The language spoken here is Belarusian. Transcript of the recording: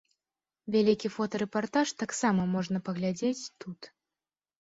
Вялікі фотарэпартаж таксама можна паглядзець тут.